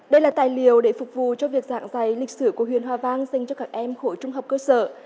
đây là tài liệu để phục vụ cho việc giảng dạy lịch sử của huyện hòa vang dành cho các em khối trung học cơ sở